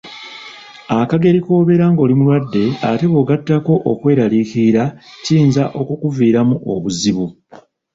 Akageri k'obeera ng'oli mulwadde ate bw'ogattako okweraliikirira kiyinza okukuviiramu obuzibu.